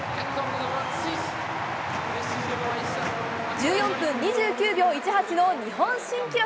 １４分２９秒１８の日本新記録。